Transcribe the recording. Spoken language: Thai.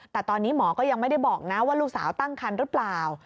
แต่ตอนนี้หมอก็ยังไม่ได้บอกนะว่าลูกสาวตั้งคันหรือเปล่า